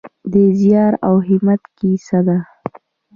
د زیار او همت کیسه ده.